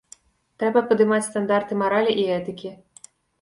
Трэба падымаць стандарты маралі і этыкі.